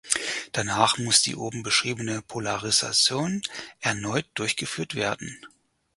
Danach muss die oben beschriebene Polarisation erneut durchgeführt werden.